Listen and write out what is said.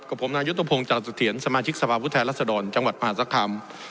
กับผมนายุตโปรงจารสุเถียนสมาชิกสภาพวุทธแหลศดรจังหวัดมหาสรรคาม